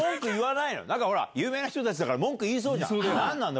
なんかほら、有名な人たちだから、文句言いそうじゃん。